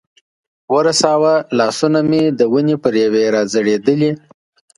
ورساوه، لاسونه مې د ونې پر یوې را ځړېدلې.